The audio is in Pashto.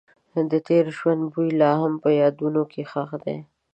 د تېر ژوند بوی لا هم په یادونو کې ښخ دی.